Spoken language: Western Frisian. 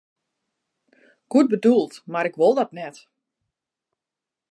Goed bedoeld, mar ik wol dat net.